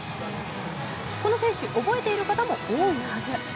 この選手覚えている方も多いはず。